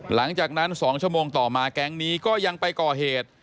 หลังจากนั้น๒ชั่วโมงต่อมาแก๊งนี้ก็ยังไปก่อเหตุ